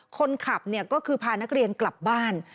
คนขับก็คือพานักเรียนกลับบ้าน